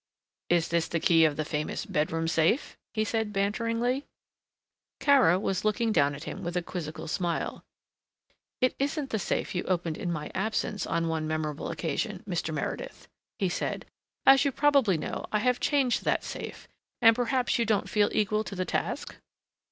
"Is this the key of the famous bedroom safe?" he said banteringly. Kara was looking down at him with a quizzical smile. "It isn't the safe you opened in my absence, on one memorable occasion, Mr. Meredith," he said. "As you probably know, I have changed that safe, but perhaps you don't feel equal to the task?"